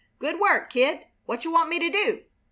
"Good work, Kid! Whatcha want me t' do?"